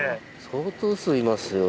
相当数いますよ